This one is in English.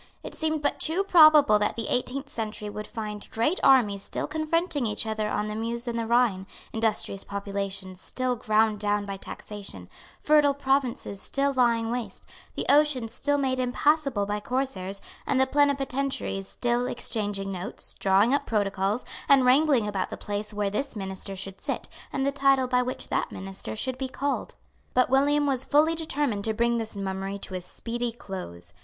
It seemed but too probable that the eighteenth century would find great armies still confronting each other on the Meuse and the Rhine, industrious populations still ground down by taxation, fertile provinces still lying waste, the ocean still made impassable by corsairs, and the plenipotentiaries still exchanging notes, drawing up protocols, and wrangling about the place where this minister should sit, and the title by which that minister should be called. But William was fully determined to bring this mummery to a speedy close.